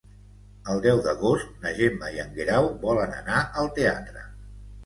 El deu d'agost na Gemma i en Guerau volen anar al teatre.